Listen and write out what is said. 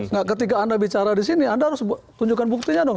nah ketika anda bicara di sini anda harus tunjukkan buktinya dong